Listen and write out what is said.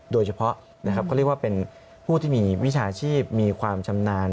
โดยเฉพาะนะครับเขาเรียกว่าเป็นผู้ที่มีวิชาชีพมีความชำนาญ